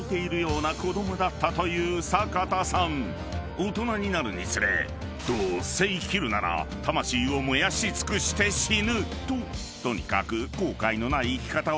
［大人になるにつれどうせ生きるなら魂を燃やし尽くして死ぬととにかく］